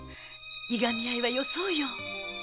いがみあいはよそうよ。